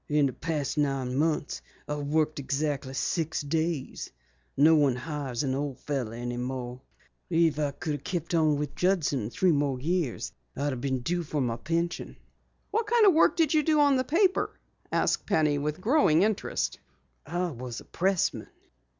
"In the past nine months I've worked exactly six days. No one hires an old fellow any more. If I could have kept on with Judson three more years I'd have been due for my pension." "What work did you do on the paper?" asked Penny with growing interest. "I was a pressman."